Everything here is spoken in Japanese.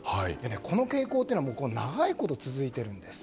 この傾向というのは長いこと続いているんです。